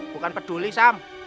bukan peduli sam